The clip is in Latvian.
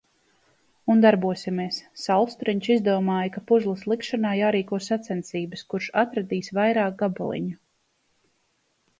Un darbosimies. Saulstariņš izdomāja, ka puzzles likšanā jārīko sacensības, kurš atradīs vairāk gabaliņu.